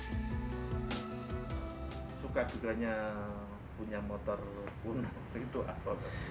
suka juga punya motor kuno itu atau